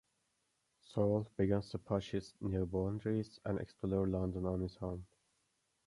Saul begins to push his new boundaries and explore London on his own.